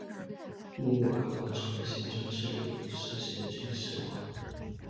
莫卧儿王朝的行政制度实行军事化。